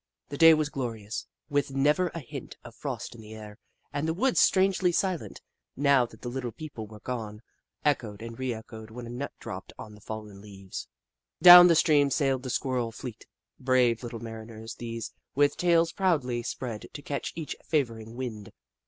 The day was glorious, with never a hint of frost in the air, and the woods, strangely silent, now that the Little People were gone, echoed and re echoed when a nut dropped on the fallen leaves. io6 The Book of Clever Beasts Down the stream sailed the Squirrel fleet — brave little mariners, these, with tails proudly spread to catch each favouring wind.